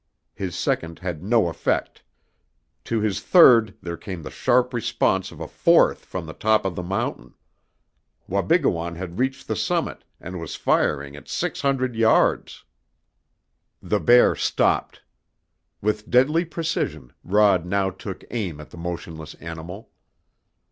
His second had no effect. To his third there came the sharp response of a fourth from the top of the mountain. Wabigoon had reached the summit, and was firing at six hundred yards! The bear stopped. With deadly precision Rod now took aim at the motionless animal.